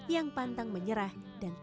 yang pantang menyerah dan tak berhenti